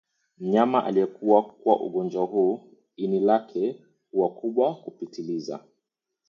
Mnyama aliyekuwa kwa ugonjwa huu ini lake huwa kubwa kupitiliza